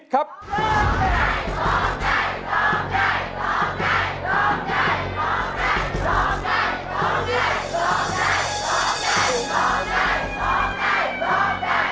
ร้องได้นะ